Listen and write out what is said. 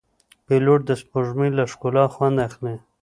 پیلوټ د سپوږمۍ له ښکلا خوند اخلي.